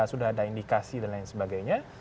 sudah ada indikasi dan lain sebagainya